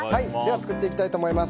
作っていきたいと思います。